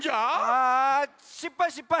あしっぱいしっぱい。